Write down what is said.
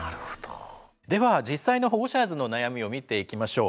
では実際のホゴシャーズの悩みを見ていきましょう。